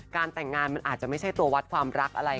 แต่งงานมันอาจจะไม่ใช่ตัววัดความรักอะไร